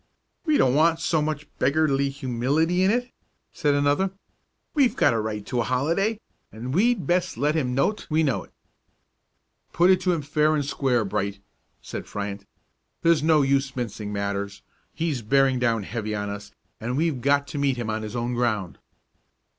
"We don't want so much beggarly humility in it," said another. "We've got a right to a holiday, and we'd best let him know't we know it." "Put it to him fair and square, Bright," said Fryant. "There's no use mincing matters; he's bearing down heavy on us, and we've got to meet him on his own ground."